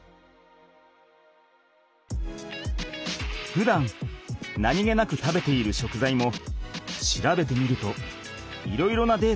ふだん何気なく食べている食材も調べてみるといろいろなデータが発見できる。